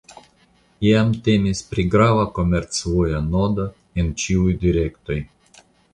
Iam temis pri grava komercvoja nodo en ĉiuj direktoj.